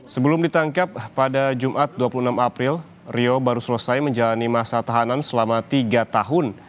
sebelum ditangkap pada jumat dua puluh enam april rio baru selesai menjalani masa tahanan selama tiga tahun